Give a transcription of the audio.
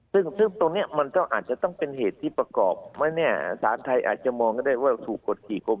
ซึ่งตรงนี้มันก็อาจจะต้องเป็นเหตุที่ประกอบไม่เนี่ยสารไทยอาจจะมองก็ได้ว่าถูกกฎกี่กรม